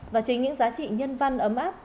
và chính những giá trị nhân văn ấm áp